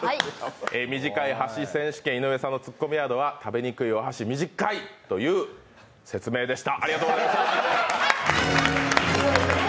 短い箸選手権、井上さんの突っ込みワードは食べにくいよ、箸短いという説明でした。